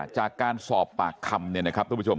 จากการสอบปากคำคุณผู้ชม